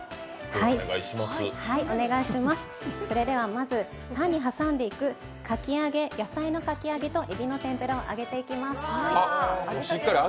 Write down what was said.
まず、パンに挟んでいく野菜のかき揚げとえびの天ぷらを揚げていきます。